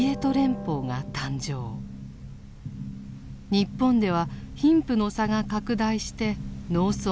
日本では貧富の差が拡大して農村は疲弊。